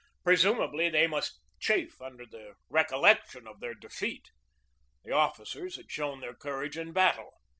Presumably they must chafe under the recollection of their defeat. The officers had shown their courage in battle.